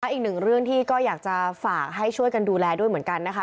อีกหนึ่งเรื่องที่ก็อยากจะฝากให้ช่วยกันดูแลด้วยเหมือนกันนะคะ